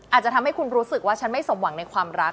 อาจจะทำให้คุณรู้สึกว่าฉันไม่สมหวังในความรัก